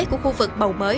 của khu vực bầu mới